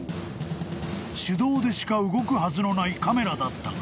［手動でしか動くはずのないカメラだったが］